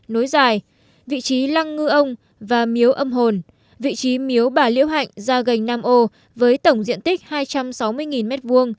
nối dài vị trí lăng ngư ông và miếu âm hồn vị trí miếu bà liễu hạnh ra gành nam ô với tổng diện tích hai trăm sáu mươi m hai